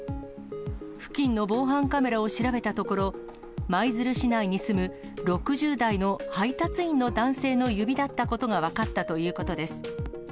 付近の防犯カメラを調べたところ、舞鶴市内に住む６０代の配達員の男性の指だったことが分かったということです。